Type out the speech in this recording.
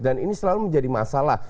dan ini selalu menjadi masalah